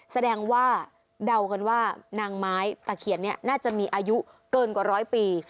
แสดงว่าเดากันว่านางไม้ตะเขียนเนี่ยน่าจะมีอายุเกินกว่าร้อยปี